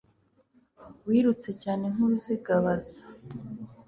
wirutse cyane nk'uruzigabaza